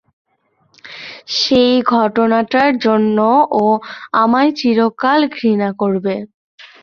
সেই ঘটনাটার জন্য ও আমায় চিরকাল ঘৃণা করবে।